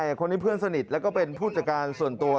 คนนี้เพื่อนสนิทแล้วก็เป็นผู้จัดการส่วนตัว